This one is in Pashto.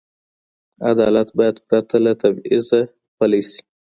عدالت باید پرته له تبعیضه پلی سي.